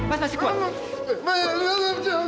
mas masih kuat